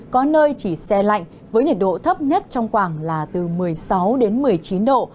có nơi chỉ xe lạnh với nhiệt độ thấp nhất trong khoảng là từ một mươi sáu đến một mươi chín độ